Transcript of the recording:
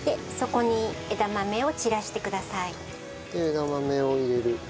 枝豆を入れる。